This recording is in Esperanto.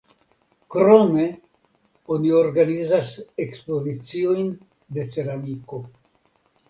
Krome oni organizas ekspoziciojn de ceramiko.